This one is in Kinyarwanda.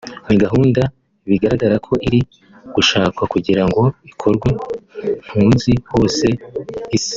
ni gahunda bigaragara ko iri gushakwa kugira ngo ikorwe mu mpunzi hose ku Isi